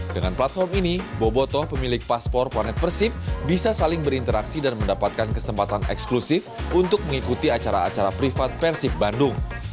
dengan platform ini boboto pemilik paspor planet persib bisa saling berinteraksi dan mendapatkan kesempatan eksklusif untuk mengikuti acara acara privat persib bandung